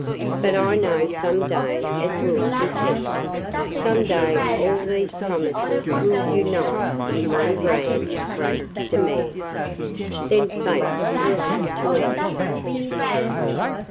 "But I know some day it will be kept. Some day all these promises will unite in one grand, great demand. Then Fate will have to answer."